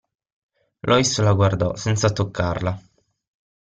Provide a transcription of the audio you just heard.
Lois la guardò, senza toccarla.